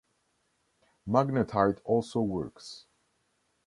Magnetite also works.